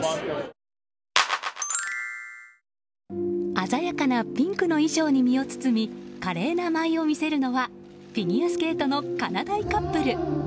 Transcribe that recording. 鮮やかなピンクの衣装に身を包み華麗な舞を見せるのはフィギュアスケートのかなだいカップル。